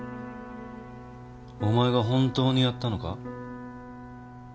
お前が本当にやったのか？